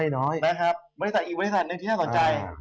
อีกบริษัทที่ถ้าสนใจ